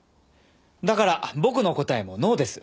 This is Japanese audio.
だから僕の答えもノーです。